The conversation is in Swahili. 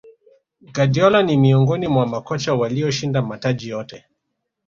guardiola ni miongoni mwa makocha walioshinda mataji yote